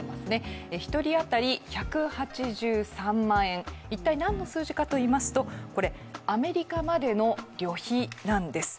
１人あたり１８３万円、一体何の数字かといいますとこれ、アメリカまでの旅費なんです。